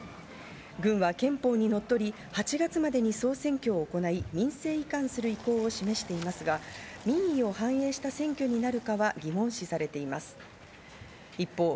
軍は憲法にのっとり、８月までに総選挙を行い、民政移管する意向を示していますが、民意を反映した選挙になるかは疑問視されています。